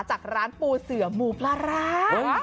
จากร้านปูเสือหมูปลาร้า